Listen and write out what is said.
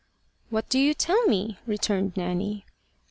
"What do you tell me?" returned Nanny.